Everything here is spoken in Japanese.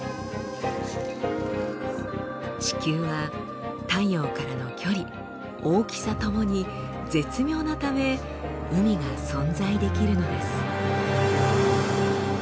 地球は太陽からの距離大きさともに絶妙なため海が存在できるのです。